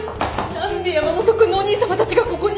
何で山本君のお兄さまたちがここに？